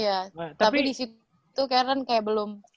iya tapi disitu karen kayak belum